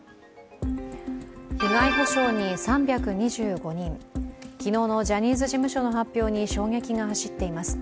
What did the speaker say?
被害補償に３２５人、昨日のジャニーズ事務所の発表に衝撃が走っています。